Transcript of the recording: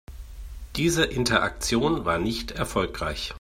Diese Interaktion war nicht erfolgreich.